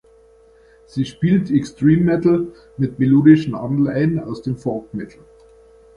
Sie spielt Extreme Metal mit melodischen Anleihen aus dem Folk Metal.